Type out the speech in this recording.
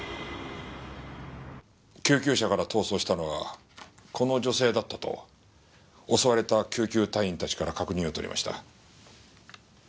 救急車から逃走したのはこの女性だったと襲われた救急隊員たちから確認を取りました。